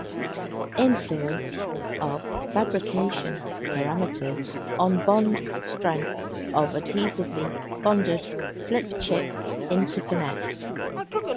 Influence of fabrication parameters on bond strength of adhesively bonded flip-chip interconnects.